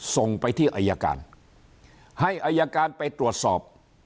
ส่งไปที่อายการให้อายการไปตรวจสอบ